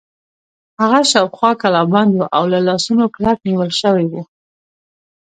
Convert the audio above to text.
هغه شاوخوا کلابند و او له لاسونو کلک نیول شوی و.